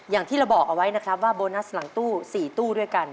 อย่างที่เราบอกเอาไว้นะครับว่าโบนัสหลังตู้๔ตู้ด้วยกัน